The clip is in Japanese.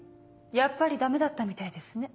やっぱりダメだったみたいですね